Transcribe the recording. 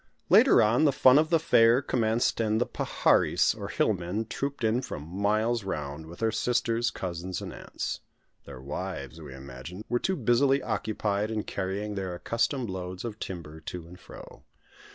Later on, the fun of the fair commenced, and the paharis, or hill men, trooped in from miles round, with their sisters, cousins, and aunts. Their wives, we imagined, were too busily occupied in carrying their accustomed loads of timber to and fro.